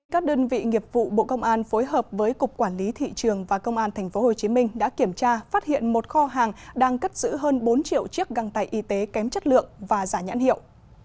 các đơn vị nghiệp vụ bộ công an phối hợp với cục quản lý thị trường và công an tp hcm đã kiểm tra phát hiện một kho hàng đang cất giữ hơn bốn triệu chiếc găng tay y tế kém chất lượng và giả nhãn hiệu